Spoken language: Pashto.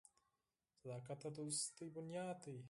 • صداقت د دوستۍ بنیاد دی.